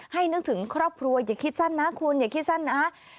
นึกถึงครอบครัวอย่าคิดสั้นนะคุณอย่าคิดสั้นนะ